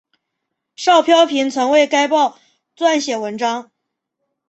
邵飘萍曾为该报撰写文章。